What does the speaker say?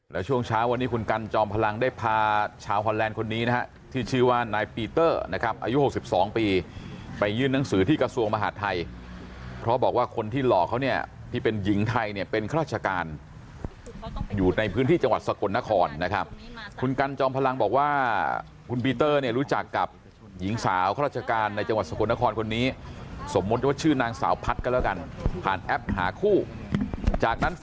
แล้วช่วงเช้าวันนี้คุณกัลจอมพลังได้พาชาวฮอลแลนด์คนนี้นะครับที่ชื่อว่านายปีเตอร์นะครับอายุ๖๒ปีไปยื่นนังสือที่กระทรวงมหาดไทยเพราะบอกว่าคนที่หลอกเขาเนี่ยที่เป็นหญิงไทยเนี่ยเป็นข้าราชการอยู่ในพื้นที่จังหวัดสกลนครนะครับคุณกัลจอมพลังบอกว่าคุณปีเตอร์เนี่ยรู้จักกับหญิงสาวข้